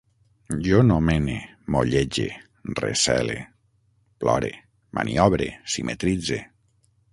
Jo nomene, mollege, recele, plore, maniobre, simetritze